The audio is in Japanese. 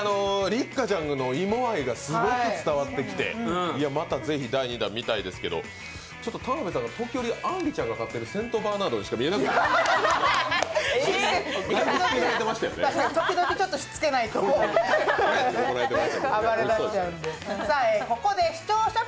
六花ちゃんの芋愛がすごく伝わってきて、またぜひ第２弾見たいですけど、田辺さんが時折あんりちゃんが飼ってるセントバーナードにしか見えなくなっちゃって。